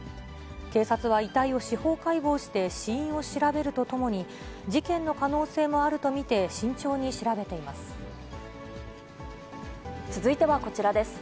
警察は遺体を司法解剖して死因を調べるとともに、事件の可能性も続いてはこちらです。